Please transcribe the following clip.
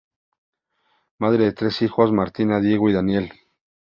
Madre de tres hijos: Martina, Diego y Daniel.